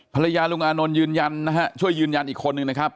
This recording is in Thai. ลุงอานนท์ยืนยันนะฮะช่วยยืนยันอีกคนนึงนะครับ